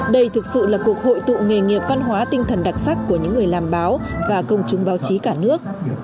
đây thực sự là cuộc hội tụ nghề nghiệp văn hóa tinh thần đặc sắc của những người làm báo và công chúng báo